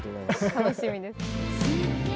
楽しみです。